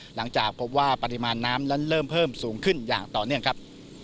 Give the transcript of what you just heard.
หลังจากพบว่าปริมาณน้ำนั้นเริ่มเพิ่มสูงขึ้นอย่างต่อเนื่องครับ